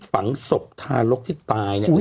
ฝังศพทารกที่ตายเนี่ย